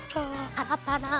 パラパラ。